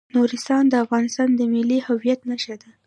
نورستان د افغانستان د ملي هویت نښه ده.